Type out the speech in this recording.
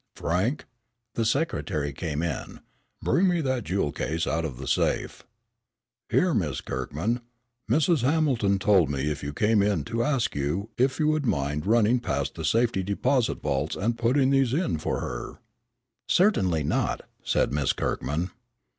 Frank," the secretary came in, "bring me that jewel case out of the safe. Here, Miss Kirkman, Mrs. Hamilton told me if you came in to ask if you would mind running past the safety deposit vaults and putting these in for her?" "Certainly not," said Miss Kirkman.